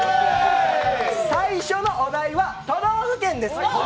最初のお題は都道府県です。